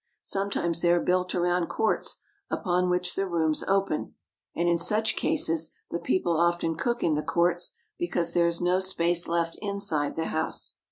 Sometimes they are built around courts upon which the rooms open; and in such cases the people often cook in the courts because there is no space left inside the house.